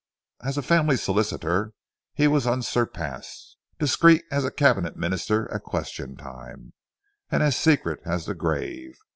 As a family solicitor he was unsurpassed, discreet as a cabinet minister at question time, and as secret as the grave.